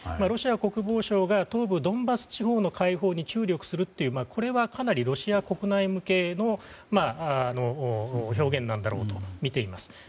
ロシア国防省が東部ドンバス地方の解放に注力するというこれはかなりロシア国内向けの表現だろうと見ています。